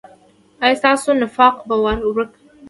ایا ستاسو نفاق به ورک وي؟